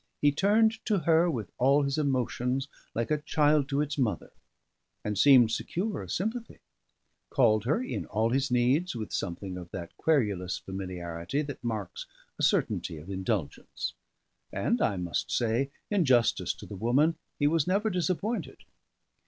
He turned to her with all his emotions, like a child to its mother, and seemed secure of sympathy; called her in all his needs with something of that querulous familiarity that marks a certainty of indulgence and I must say, in justice to the woman, he was never disappointed.